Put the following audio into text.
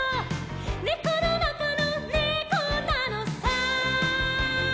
「ねこのなかのねこなのさ」